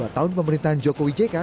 dua tahun pemerintahan jokowi jk